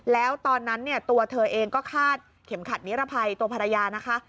แล้วตอนนั้นเนี่ยตัวเธอเองก็คาดเข็มขัดนิรภัยตัวภรรยานะคะ